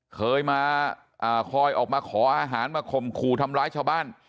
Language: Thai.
เคยมาคอยออกมาขออาหารมาข่มขู่ทำร้ายชาวบ้าน